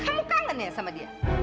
kamu kangen ya sama dia